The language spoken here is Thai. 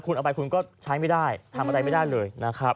คุณเอาไปคุณก็ใช้ไม่ได้ทำอะไรไม่ได้เลยนะครับ